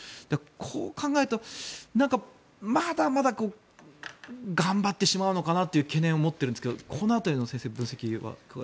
こう考えるとまだまだ頑張ってしまうのかなという懸念を持っているんですがこの辺りはどうですかね？